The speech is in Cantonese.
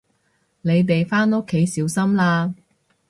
你哋返屋企小心啦